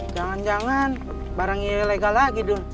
jangan jangan barangnya ilegal lagi dul